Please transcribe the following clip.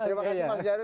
terima kasih mas jaro